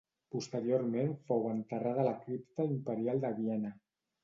Posteriorment fou enterrada a la Cripta imperial de Viena.